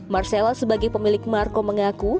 marcella sebagai pemilik marco mengaku